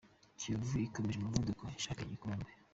Kiyovu ikomeje umuvuduko ishaka igikombe